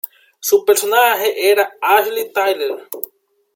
Su personaje era Ashley Tyler.